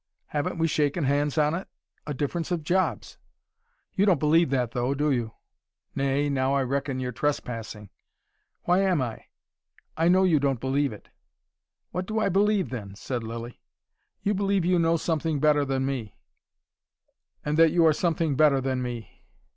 "Haven't we shaken hands on it a difference of jobs." "You don't believe that, though, do you?" "Nay, now I reckon you're trespassing." "Why am I? I know you don't believe it." "What do I believe then?" said Lilly. "You believe you know something better than me and that you are something better than me.